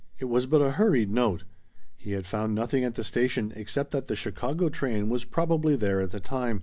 It was but a hurried note. He had found nothing at the station except that the Chicago train was probably there at the time.